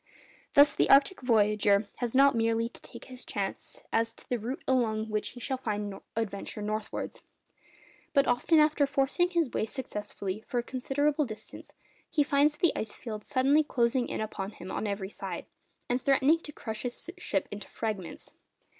Thus the arctic voyager has not merely to take his chance as to the route along which he shall adventure northwards, but often, after forcing his way successfully for a considerable distance, he finds the ice fields suddenly closing in upon him on every side, and threatening to crush his ship into fragments.